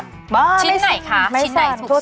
ชิ้นไหนคะชิ้นไหนถูกสุด